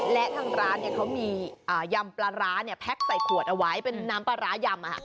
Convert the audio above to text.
และทางร้านเขามียำปลาร้าแพ็กใส่ขวดเอาไว้เป็นน้ำปลาร้ายำ